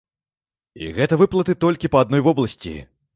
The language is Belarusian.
І гэта выплаты толькі па адной вобласці!